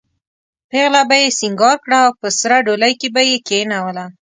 پېغله به یې سینګاره کړه او په سره ډولۍ کې به یې کېنوله.